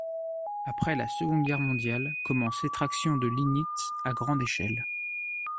Après la Seconde Guerre mondiale, commence l'extraction de lignite à grande échelle.